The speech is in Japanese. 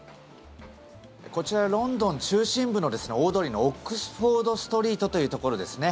こちらロンドン中心部の大通りのオックスフォード・ストリートというところですね。